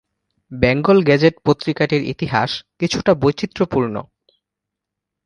Bengal Gazette পত্রিকাটির ইতিহাস কিছুটা বৈচিত্র্যপূর্ণ।